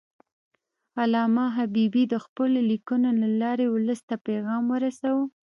علامه حبیبي د خپلو لیکنو له لارې ولس ته پیغام ورساوه.